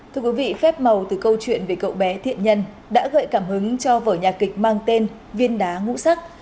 thưa quý vị phép màu từ câu chuyện về cậu bé thiện nhân đã gợi cảm hứng cho vở nhạc kịch mang tên viên đá ngũ sắc